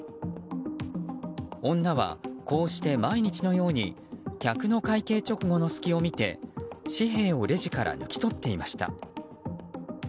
女は、こうして毎日のように客の会計直後の隙を見て紙幣をレジから抜き取っていました。